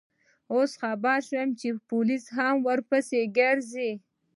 اوس خبر شوم، پولیس هم ورپسې ګرځي.